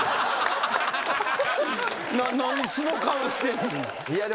何素の顔してんねん。